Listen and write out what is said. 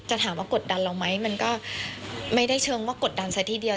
ถามว่ากดดันเราไหมมันก็ไม่ได้เชิงว่ากดดันซะทีเดียว